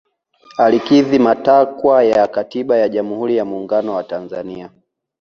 alikidhi matakwa ya katiba ya jamuhuri ya muungano wa tanzania